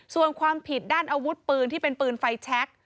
ส่วนความผิดด้านอาวุธปืนที่เป็นปืนไฟแชค